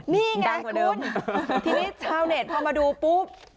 นี่ไงคุณทีนี้ชาวเน็ตพอมาดูปุ๊บ